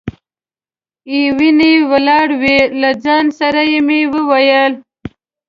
یې ونې ولاړې وې، له ځان سره مې وویل.